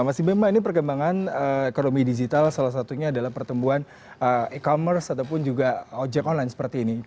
mas bima ini perkembangan ekonomi digital salah satunya adalah pertumbuhan e commerce ataupun juga ojek online seperti ini